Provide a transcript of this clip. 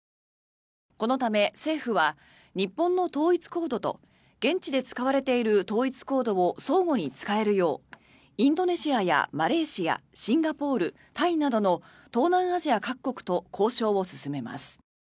このため政府は日本の統一コードと現地で使われている統一コードを相互に使えるようインドネシアやマレーシアシンガポール、タイなどの東南アジア各国と交渉を進めます。